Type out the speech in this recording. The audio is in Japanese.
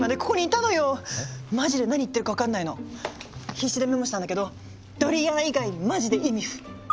必死でメモしたんだけどドリアン以外マジでイミフ！